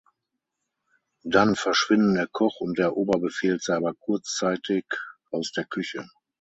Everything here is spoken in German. Dann verschwinden der Koch und der Oberbefehlshaber kurzzeitig aus der Küche.